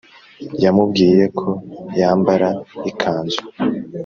yamubwiye ko yambara ikanzu